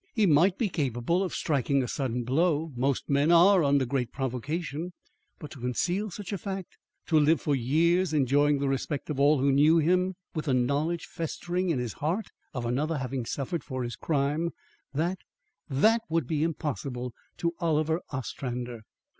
He might be capable of striking a sudden blow most men are under great provocation but to conceal such a fact, to live for years enjoying the respect of all who knew him, with the knowledge festering in his heart of another having suffered for his crime that, THAT would be impossible to Oliver Ostrander."